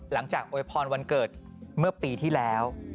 หลังจากอวยพรวันเกิดเมื่อปีที่แล้ว